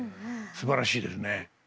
すばらしいですね。